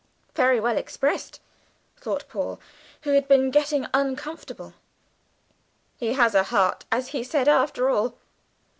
"Very well expressed," thought Paul, who had been getting uncomfortable; "he has a heart, as he said, after all!"